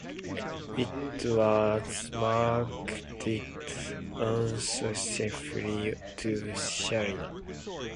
It was marketed unsuccessfully to Syria.